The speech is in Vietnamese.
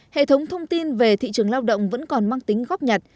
hệ thống thông tin về thị trường lao động vẫn còn mang tính góp nhặt